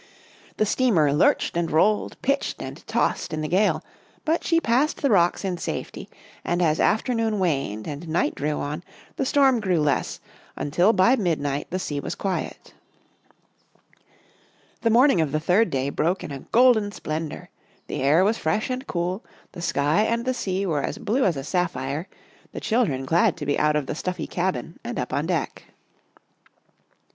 The steamer lurched and rolled, pitched and tossed in the gale, but she passed the rocks in safety, and as afternoon waned and night drew on, the storm grew less, until by midnight the sea was quiet. The morning of the third day broke in a golden splendour, the air was fresh and cool, the sky and the sea were as blue as a sapphire, the chil dren glad to be out of the stuffy cabin and up on deck.